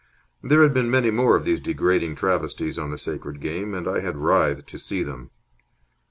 There had been many more of these degrading travesties on the sacred game, and I had writhed to see them.